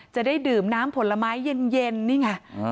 จะได้ดื่มน้ำผลไม้เย็นนี่ไง